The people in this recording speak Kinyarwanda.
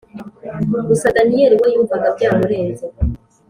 gusa daniel we yumvaga byamurenze